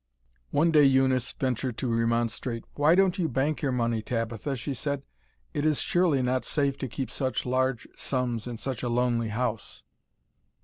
One day Eunice ventured to remonstrate. "Why don't you bank your money, Tabitha?" she said; "it is surely not safe to keep such large sums in such a lonely house."